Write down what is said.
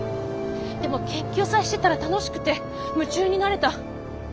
でも研究さえしてたら楽しくて夢中になれた。